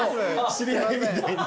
知り合いみたいに。